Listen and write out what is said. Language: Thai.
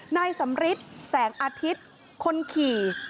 นายสำริทแสงอาทิตย์คนขี่